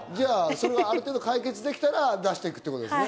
ある程度解決できたら出していくってことですね。